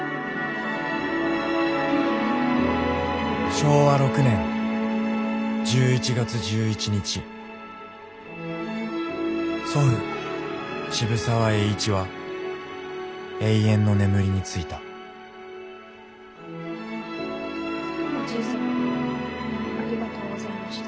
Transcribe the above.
昭和６年１１月１１日祖父渋沢栄一は永遠の眠りについたおじい様ありがとうございました。